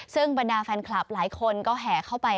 ซึ่งบรรดาแฟนคลับหลายคนก็แห่เข้าไป